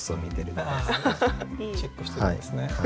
チェックしてるんですね。